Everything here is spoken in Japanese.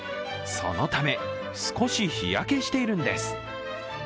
そのため、少し日焼けしているんです。